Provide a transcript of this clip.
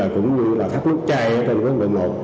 cũng như là thắt nút chai trên cầu lần một